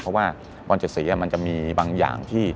เพราะว่าบอล๗สีมันจะมีบางอย่างที่